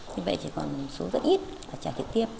như vậy chỉ còn một số rất ít trả trực tiếp